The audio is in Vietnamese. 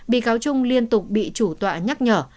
bị cáo trung liên tục bị chủ tọa nhắc nhở